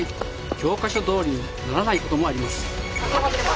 教科書どおりにならないこともあります。